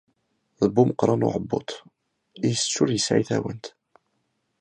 D bu umeqqran n uɛebbuḍ, itett ur yesɛi tawant.